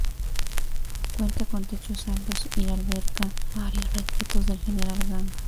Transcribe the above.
Cuenta con techos altos, y alberga varios retratos del general Gang.